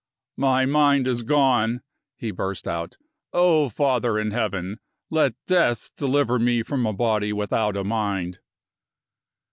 "My mind is gone!" he burst out. "Oh, Father in Heaven, let death deliver me from a body without a mind!"